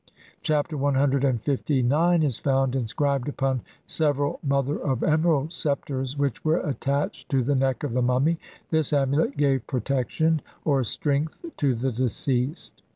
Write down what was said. Chapter CLIX is found in scribed upon several mother of emerald sceptres which were attached to the neck of the mummy ; this amu let gave "protection" or "strength" to the deceased.